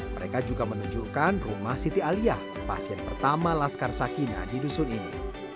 mereka juga menunjukkan rumah siti aliyah pasien pertama laskar sakina di dusun ini